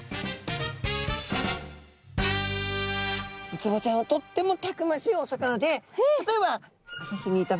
ウツボちゃんはとってもたくましいお魚で例えば浅瀬にいた場合ですね